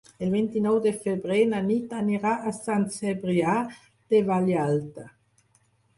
El vint-i-nou de febrer na Nit anirà a Sant Cebrià de Vallalta.